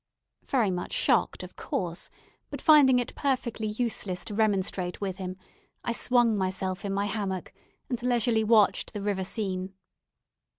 Very much shocked, of course, but finding it perfectly useless to remonstrate with him, I swung myself in my hammock and leisurely watched the river scene.